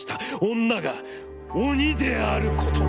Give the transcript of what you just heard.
女が鬼であることを。